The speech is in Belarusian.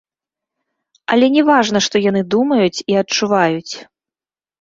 Але не важна, што яны думаюць і адчуваюць.